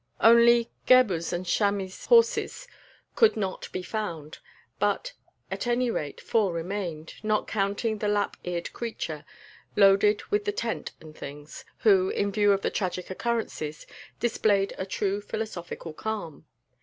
Only Gebhr's and Chamis' horses could not be found, but at any rate four remained, not counting the lap eared creature, loaded with the tent and things, who, in view of the tragic occurrences, displayed a true philosophical calm.